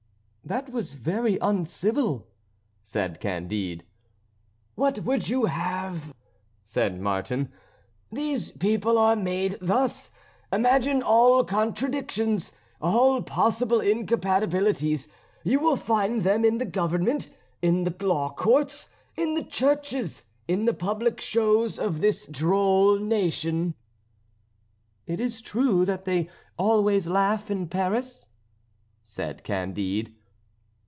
"That was very uncivil," said Candide. "What would you have?" said Martin; "these people are made thus. Imagine all contradictions, all possible incompatibilities you will find them in the government, in the law courts, in the churches, in the public shows of this droll nation." "Is it true that they always laugh in Paris?" said Candide.